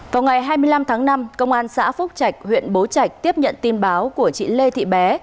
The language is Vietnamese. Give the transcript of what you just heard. vào ngày hai mươi năm tháng năm công an xã phúc trạch huyện bố trạch tiếp nhận tin báo của chị lê thị bé